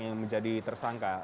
yang menjadi tersangka